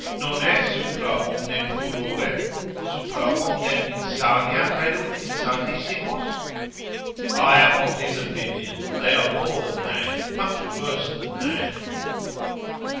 Nonne supra omnem furorem, supra omnem insanian reddunt insanissimos? I am of his opinion, they are more than mad, much worse than mad.